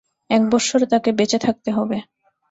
এক বৎসর তাঁকে বেঁচে থাকতে হবে।